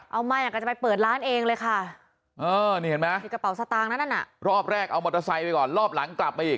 เอาไม่อ่ะก็จะไปเปิดร้านเองเลยค่ะ